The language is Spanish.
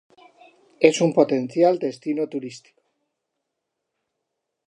Es un potencial destino turístico.